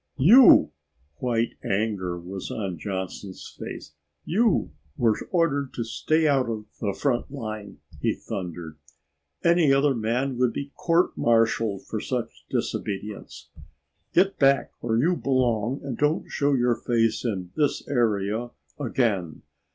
"You!" White anger was on Johnson's face. "You were ordered to stay out of the frontline!" he thundered. "Any other man would be court martialed for such disobedience. Get back where you belong and don't show your face in this area again.